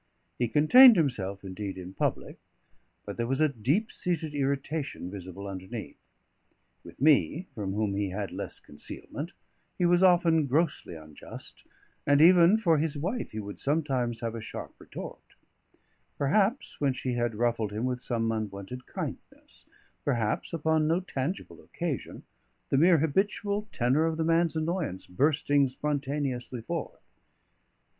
He contained himself, indeed, in public; but there was a deep seated irritation visible underneath. With me, from whom he had less concealment, he was often grossly unjust, and even for his wife he would sometimes have a sharp retort: perhaps when she had ruffled him with some unwonted kindness; perhaps upon no tangible occasion, the mere habitual tenor of the man's annoyance bursting spontaneously forth.